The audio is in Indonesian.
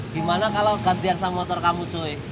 gimana kalau gantian sama motor kamu cuy